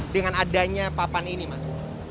dengan adanya papan ini mas